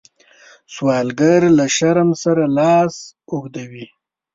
سوالګر له شرم سره لاس اوږدوي